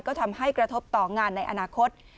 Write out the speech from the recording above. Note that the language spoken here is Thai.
ก็ทำให้กระทบต่องานในอนาคต